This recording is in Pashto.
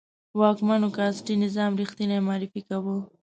واکمنو کاسټي نظام ریښتنی معرفي کاوه.